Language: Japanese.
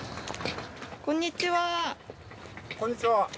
こんにちは。